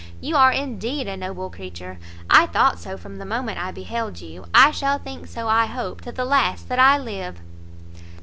You are indeed a noble creature! I thought so from the moment I beheld you; I shall think so, I hope, to the last that I live!"